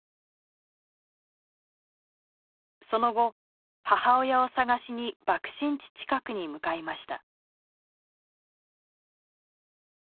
その後母親を捜しに爆心地近くに向かいました。